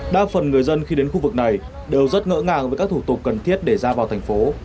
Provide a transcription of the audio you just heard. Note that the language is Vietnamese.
đa phần người dân khi đến khu vực này đều rất ngỡ ngàng với các thủ tục cần thiết để ra vào thành phố